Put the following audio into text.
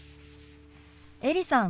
エリさん